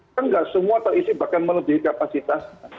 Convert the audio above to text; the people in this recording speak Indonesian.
kan tidak semua terisi bahkan melebihi kapasitas